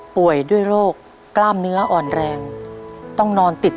ป่วยด้วยโรคกล้ามเนื้ออ่อนแรง